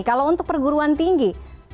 kalau untuk perguruan tinggi